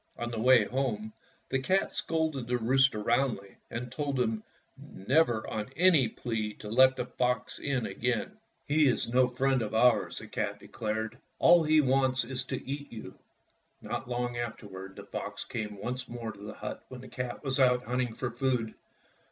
On the way home the cat scolded the rooster roundly and told him never on any plea to let the fox in again. "He is no 182 Fairy Tale Foxes friend of ours/' the cat declared. ''All he wants is to eat you." Not long afterward the fox came once more to the hut when the cat was out hunt ing for food.